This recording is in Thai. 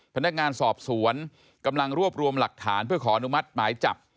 พนักงานสอบสวนกำลังรวบรวมหลักฐานเพื่อขออนุมัติหมายจับ